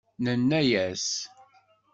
Nenna-as.